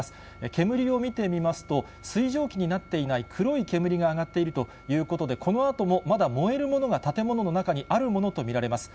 煙を見てみますと、水蒸気になっていない、黒い煙が上がっているということで、このあとも、まだ燃えるものが建物の中にあるものと見られます。